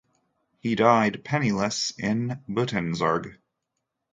He died penniless in Buitenzorg.